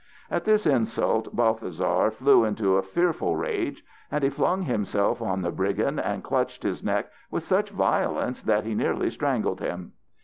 At this insult Balthasar flew into a fearful rage, and he flung himself on the brigand and clutched his neck with such violence that he nearly strangled him.